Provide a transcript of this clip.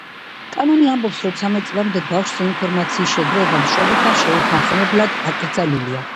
კანონი ამბობს, რომ ცამეტ წლამდე ბავშვზე ინფორმაციის შეგროვება მშობელთან შეუთანხმებლად აკრძალულია.